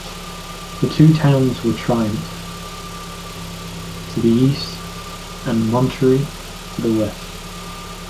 The two towns were Triumph, to the east, and Monterey to the west.